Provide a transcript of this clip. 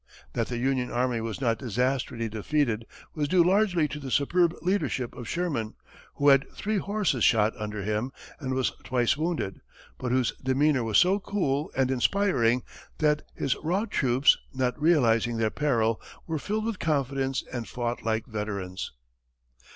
That the Union army was not disastrously defeated was due largely to the superb leadership of Sherman, who had three horses shot under him and was twice wounded, but whose demeanor was so cool and inspiring that his raw troops, not realizing their peril, were filled with confidence and fought like veterans.